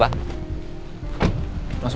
mau kemana lagi ma